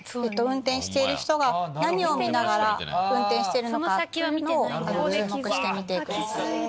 運転している人が何を見ながら運転してるのかを注目して見てください。